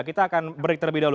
kita akan beritahu lebih dahulu